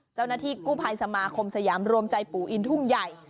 เจ้าหน้าที่กู้ภัยสมาคมสยามรวมใจปู่อินทุ่งใหญ่